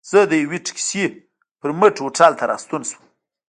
زه د یوه ټکسي پر مټ هوټل ته راستون شوم.